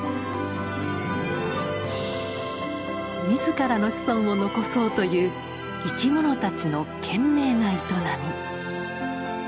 自らの子孫を残そうという生き物たちの懸命な営み。